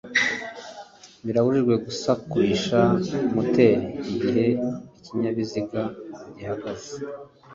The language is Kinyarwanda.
birabujijwe gusakurisha moteri igihe ikinyabiziga gihagaze.